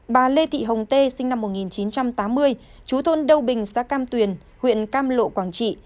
bà lê thị hồng tê sinh năm một nghìn chín trăm tám mươi chú thôn đông bình xã cam tuyền huyện cam lộ quảng trị